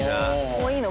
もういいの？